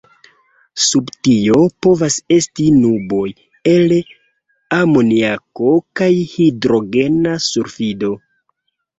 Sub tio, povas esti nuboj el amoniako kaj hidrogena sulfido.